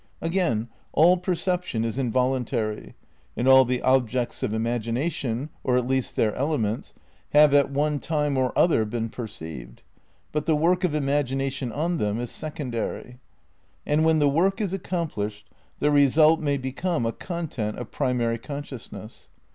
Again, all perception is involuntary; and all the ob jects of imagination, or at least their elements, have at one time or other been perceived ; but the work of imag ination on them is secondary. And when the work is accomplished the result may become a content of pri mary consciousness.